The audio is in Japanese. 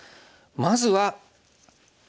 まずはＢ。